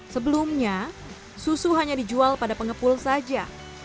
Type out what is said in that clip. sebelumnya susu hanya dijual pada pengepul saja